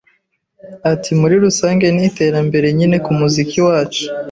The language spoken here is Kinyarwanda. Ati Muri rusange ni iterambere nyine ku muziki wacu.